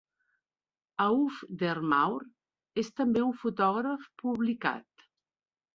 Auf der Maur és també un fotògraf publicat.